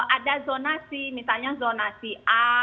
ada zonasi misalnya zonasi a